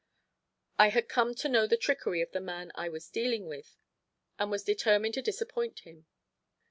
I had come to know the trickery of the man I was dealing with and was determined to disappoint him.